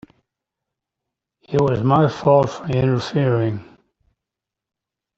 It was my fault for interfering.